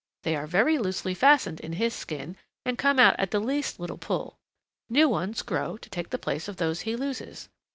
"They are very loosely fastened in his skin and come out at the least little pull. New Ones grow to take the place of those he loses.